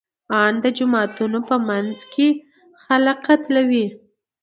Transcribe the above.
ان د جوماتونو په منځ کې خلک قتلوي.